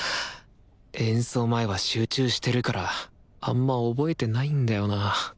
演奏前は集中してるからあんま覚えてないんだよな